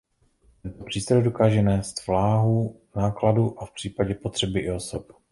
Tento přístroj dokáže nést váhu nákladu a v případě potřeby i osoby.